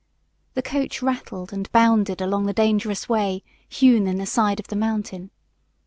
The coach rattled and bounded along the dangerous way hewn in the side of the mountain.